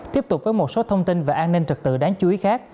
tiếp tục với một số thông tin về an ninh trật tự đáng chú ý khác